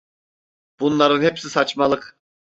Bunların hepsi saçmalık.